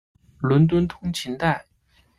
伦敦通勤带。